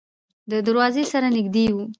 د دروازې سره نږدې و.